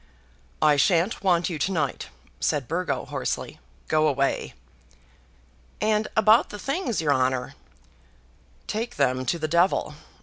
"I shan't want you to night," said Burgo, hoarsely; "go away." "And about the things, your honour?" "Take them to the devil.